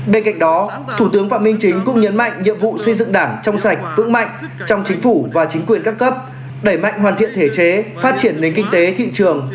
bên cạnh đó thủ tướng phạm minh chính cũng nhấn mạnh nhiệm vụ xây dựng đảng trong sạch vững mạnh trong chính phủ và chính quyền các cấp đẩy mạnh hoàn thiện thể chế phát triển nền kinh tế thị trường